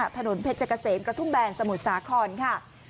ถนนเพชรเกษมกระทุ่มแบนสมุทรสาครค่ะ